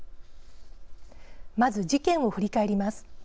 まず、事件を振り返ります。